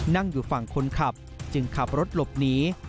นั่งอยู่ฝั่งคนขับจึงขับรถหลบหนี